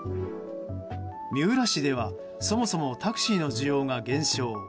三浦市では、そもそもタクシーの需要が減少。